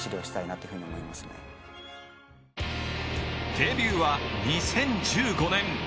デビューは２０１５年。